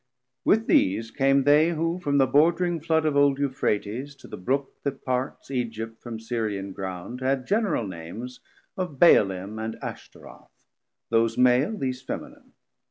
With these came they, who from the bordring flood Of old Euphrates to the Brook that parts 420 Egypt from Syrian ground, had general Names Of Baalim and Ashtaroth, those male, These Feminine.